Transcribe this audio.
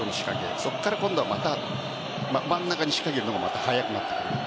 そこからまた真ん中に仕掛けるのも速くなってくる。